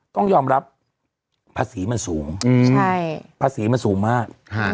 ต้องยอมรับภาษีมันสูงภาษีมันสูงมาก